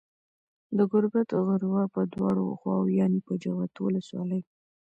د گوربت غروه په دواړو خواوو يانې په جغتو ولسوالۍ